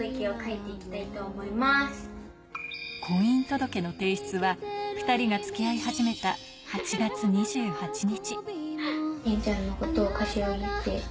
婚姻届の提出は２人が付き合い始めた、８月２８日。